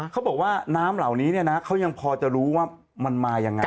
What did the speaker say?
เค้าบอกว่าน้ำเหล่านี้เค้ายังจะรู้ว่ามันมาอย่างไร